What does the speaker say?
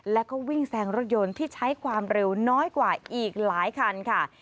แล้วก็วิ่งแซงรถยนต์ที่ใช้ความเร็วน้อยกว่าอีกหลายคันค่ะ